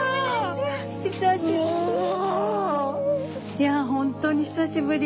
いや本当に久しぶり。